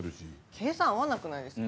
計算合わなくないですか？